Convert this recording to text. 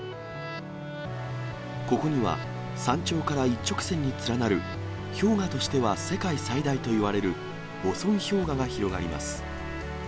ここには、山頂から一直線に連なる、氷河としては世界最大といわれるボソン氷河が広がります。